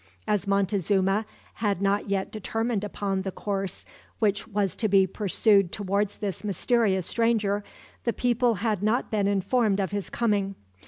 As Montezuma had not yet determined upon the course which was to be pursued towards this mysterious stranger, the people had not been informed of his coming.